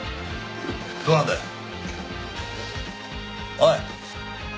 おい！